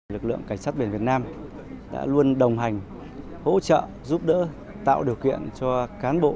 lực lượng cảnh sát biển việt nam đã luôn đồng hành hỗ trợ giúp đỡ tạo điều kiện cho cán bộ